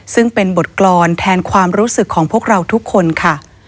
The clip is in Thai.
ซึ่งเป็นบทกรรมแทนความรู้สึกของพวกเราทุกคนค่ะ